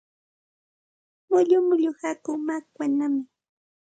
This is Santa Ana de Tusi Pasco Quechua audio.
Mullu mullu hakuu makwanaami.